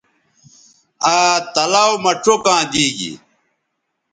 آ تلاؤ مہ چوکاں دی گی